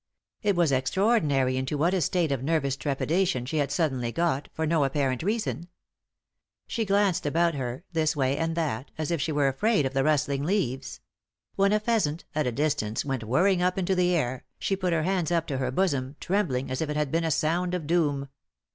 It was extraordinary into what a state of nervous trepidation she had suddenly got, for no apparent reason. She glanced about her, this way and that, as if she were afraid of the rustling leaves. When a pheasant, at a distance, went whirring up into the air, she put 74 3i 9 iii^d by Google THE INTERRUPTED KISS her hands up to her bosom, trembling as if it had been a sound of doom.